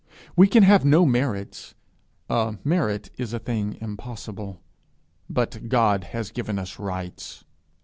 We can have no merits a merit is a thing impossible; but God has given us rights.